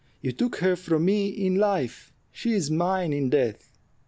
You took her from me in life: she is mine in death."